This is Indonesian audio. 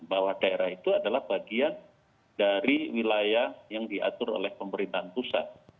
bahwa daerah itu adalah bagian dari wilayah yang diatur oleh pemerintahan pusat